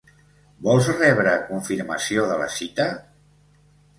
Vols rebre confirmació de la cita?